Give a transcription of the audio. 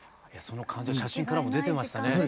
その感じが写真からも出てましたね。